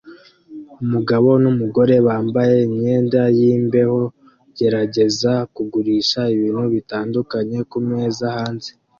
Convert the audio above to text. umugabo numugore bambaye imyenda yimbeho gerageza kugurisha ibintu bitandukanye kumeza hanze